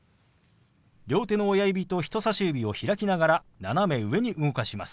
両手の親指と人さし指を開きながら斜め上に動かします。